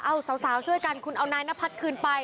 เอาสาวช่วยกันคุณเอานายนพัฒน์คืนไป